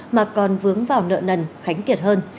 mà còn vướng vào nợ nần khánh kiệt hơn